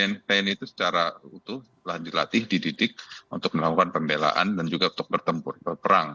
tni itu secara utuh telah dilatih dididik untuk melakukan pembelaan dan juga untuk bertempur berperang